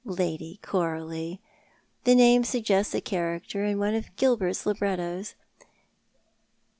Lady Coralie! The name suggests a character in one of Gilbert's librettos.